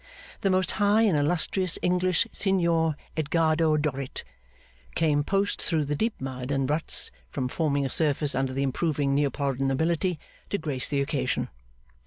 The most high and illustrious English Signor Edgardo Dorrit, came post through the deep mud and ruts (from forming a surface under the improving Neapolitan nobility), to grace the occasion.